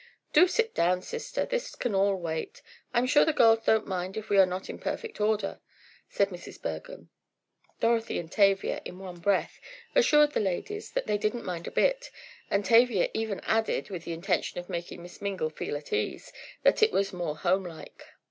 "Do sit down, sister, this can all wait. I'm sure the girls don't mind if we are not in perfect order," said Mrs. Bergham. Dorothy and Tavia, in one breath, assured the ladies that they didn't mind a bit, and Tavia even added, with the intention of making Miss Mingle feel at ease, that it was "more home like."